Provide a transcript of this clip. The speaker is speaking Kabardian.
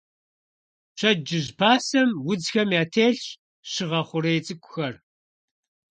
Пщэдджыжь пасэм удзхэм ятелъщ щыгъэ хъурей цӀыкӀухэр.